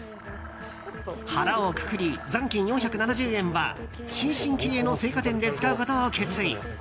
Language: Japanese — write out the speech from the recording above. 腹をくくり残金４７０円は新進気鋭な青果店で使うことを決意。